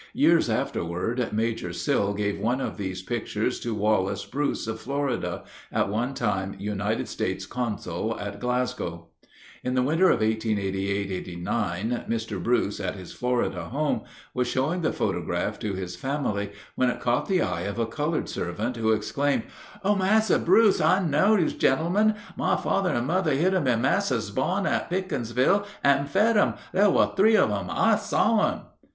Years afterward Major Sill gave one of these pictures to Wallace Bruce of Florida, at one time United States consul at Glasgow. In the winter of 1888 89 Mr. Bruce, at his Florida home, was showing the photograph to his family when it caught the eye of a colored servant, who exclaimed: "O Massa Bruce, I know those gen'men. My father and mother hid 'em in Massa's barn at Pickensville and fed 'em; there was three of 'em; I saw 'em."